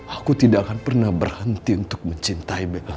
aku tidak akan pernah berhenti untuk mencintai bella